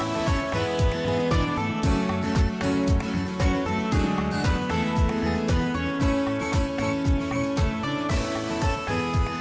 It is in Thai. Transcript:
โปรดติดตามตอนต่อไป